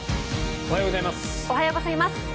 おはようございます。